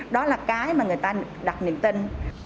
đó là cái mà người ta đặt niềm tin